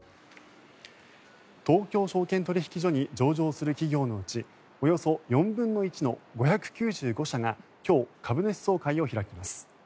東京証券取引所に上場する企業のうちおよそ４分の１の５９５社が今日、株主総会を開きます。